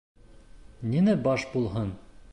Ниңә баш булһын?